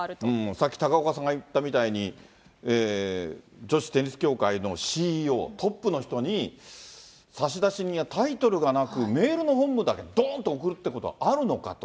さっき、高岡さんが言ったみたいに、女子テニス協会のＣＥＯ、トップの人に、差出人やタイトルがなく、メールの本文だけどんと送るってことあるのかと。